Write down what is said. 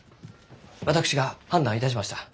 私が判断いたしました。